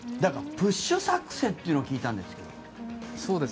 プッシュ作戦というのを聞いたんですけど。